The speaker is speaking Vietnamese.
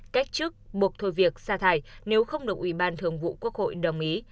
cách chức buộc thôi việc xa thải nếu không được ủy ban thường vụ quốc hội đồng ý